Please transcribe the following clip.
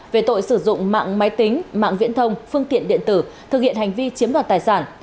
về tội sử dụng mạng máy tính mạng viễn thông phương tiện điện tử thực hiện hành vi chiếm đoạt tài sản